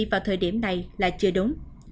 vào thời điểm này là chưa đúng